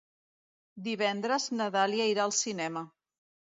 Divendres na Dàlia irà al cinema.